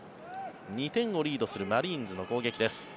２点をリードするマリーンズの攻撃です。